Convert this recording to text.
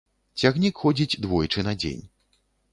Цягнік ходзіць двойчы на дзень.